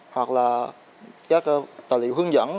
hoặc là các tài liệu hướng dẫn